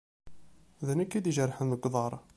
D nekk i d-ijerḥen g uḍaṛ.